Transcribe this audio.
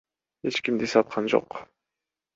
Эч кимди саткан жок.